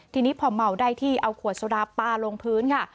ทีนี้พอเมาได้ที่เอาขวดโซดาปลาลงพื้นค่ะ